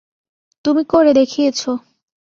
তুমি করে দেখিয়েছো।